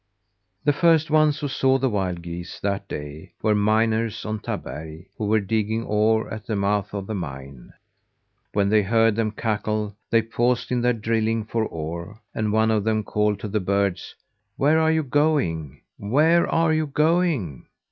The first ones who saw the wild geese that day were miners on Taberg, who were digging ore at the mouth of the mine. When they heard them cackle, they paused in their drilling for ore, and one of them called to the birds: "Where are you going? Where are you going?"